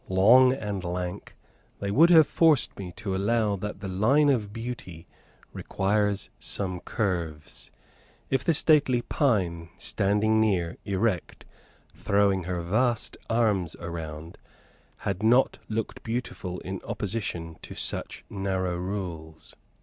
Long and lank, they would have forced me to allow that the line of beauty requires some curves, if the stately pine, standing near, erect, throwing her vast arms around, had not looked beautiful in opposition to such narrow rules.